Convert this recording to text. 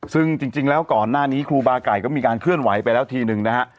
ซึ่งจริงแล้วก่อนหน้านี้ครูบาไก่ก็มีการเคลื่อนไหวไปแล้วทีนึงนะฮะ